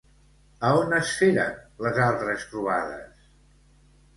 A on es feren les altres trobades?